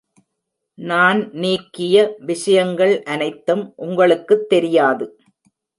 நான் நீக்கிய விஷயங்கள் அனைத்தும் உங்களுக்குத் தெரியாது.